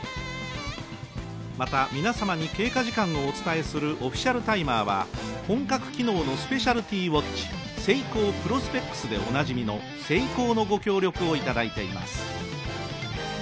また、皆様に経過時間をお伝えするオフィシャルタイマーは本格機能のスペシャルティ・ウオッチＳＥＩＫＯＰｒｏｓｐｅｘでおなじみのＳＥＩＫＯのご協力をいただいています